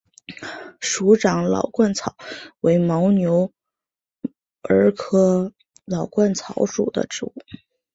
鼠掌老鹳草为牻牛儿苗科老鹳草属的植物。